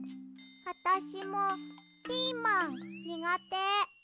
あたしもピーマンにがて。